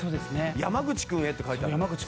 「山口君へ」って書いてある。